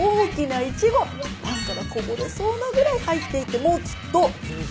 パンからこぼれそうなぐらい入っていて持つとずっしり。